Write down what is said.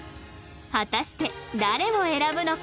果たして誰を選ぶのか？